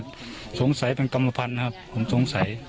ผมสงสัยเป็นกรรมภัณฑ์นะครับผมสงสัย